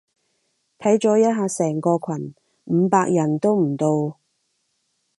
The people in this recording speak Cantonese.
睇咗一下成個群，五百人都唔到